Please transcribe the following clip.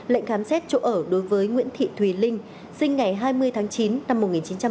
lệnh khám xét chỗ ở đối với nguyễn thị thùy linh sinh ngày hai mươi tháng chín năm một nghìn chín trăm tám mươi